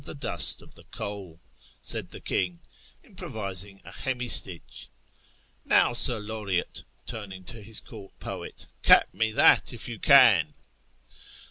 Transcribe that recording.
ie dust of the coal"), said the King, improvising a hemistich ;" now. Sir Laureate " (turning to his court poet), " cap me that if you can